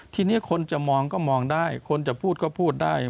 ทีนี้คนจะมองก็มองได้คนจะพูดก็พูดได้